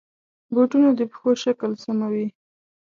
بوټونه د پښو شکل سموي.